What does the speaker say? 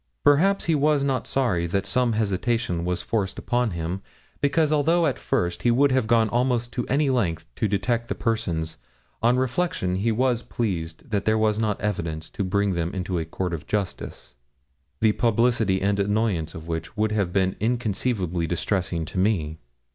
Perhaps he was not sorry that some hesitation was forced upon him, because although at first he would have gone almost any length to detect the persons, on reflection he was pleased that there was not evidence to bring them into a court of justice, the publicity and annoyance of which would have been inconceivably distressing to me.